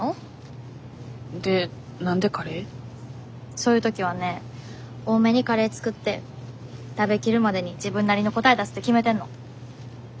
そういう時はね多めにカレー作って食べきるまでに自分なりの答え出すって決めてんの。